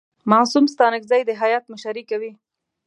معصوم ستانکزی د هیات مشري کوي.